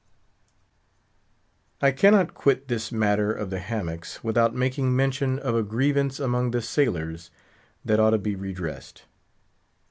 I cannot quit this matter of the hammocks without making mention of a grievance among the sailors that ought to be redressed.